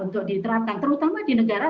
untuk diterapkan terutama di negara